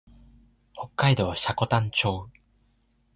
北海道積丹町